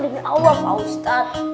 ternyata ini awas pak ustadz